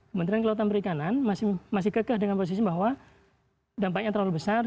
kementerian kelautan perikanan masih kekeh dengan posisi bahwa dampaknya terlalu besar